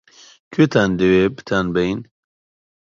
-کوێتان دەوێ بتانبەین؟